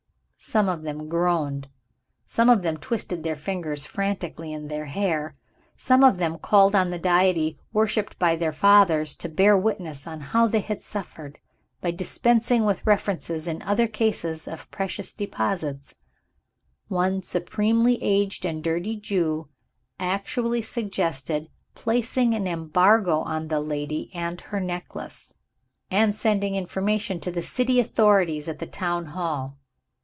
Some of them groaned; some of them twisted their fingers frantically in their hair; some of them called on the Deity worshipped by their fathers to bear witness how they had suffered, by dispensing with references in other cases of precious deposits; one supremely aged and dirty Jew actually suggested placing an embargo on the lady and her necklace, and sending information to the city authorities at the Town Hall.